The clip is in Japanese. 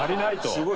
すごい。